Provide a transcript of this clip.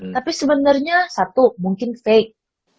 tapi sebenarnya satu mungkin fake